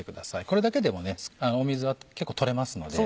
これだけでも水は結構取れますので。